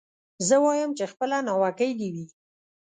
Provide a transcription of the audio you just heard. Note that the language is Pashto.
زه وايم چي خپله ناوکۍ دي وي